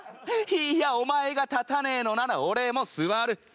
いやお前が立たねえのなら俺も座る。